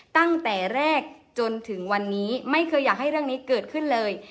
ตั้งแต่แรกจนถึงวันนี้ไม่เคยอยากให้เรื่องนี้เกิดขึ้นเลย